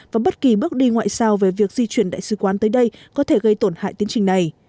và bất kỳ bước đi ngoại sao về việc di chuyển đại sứ quán tới đây có thể gây tổn hại tiến trình này